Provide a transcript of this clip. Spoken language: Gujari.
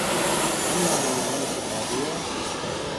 ہم نا روزی خدا دیے